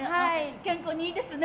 健康にいいですね！